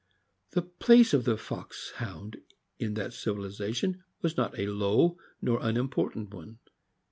The place of the Foxhound in that civilization was not a low nor unimportant one.